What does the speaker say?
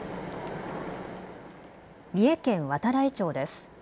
三重県度会町です。